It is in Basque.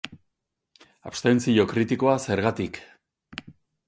Abstentzio kritikoa, zergatik?